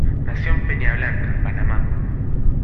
Nació en Peña Blanca, Panamá.